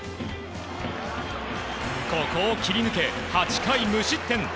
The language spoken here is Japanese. ここを切り抜け、８回無失点。